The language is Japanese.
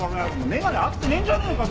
メガネ合ってねえんじゃねえのか？